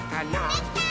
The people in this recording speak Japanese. できたー！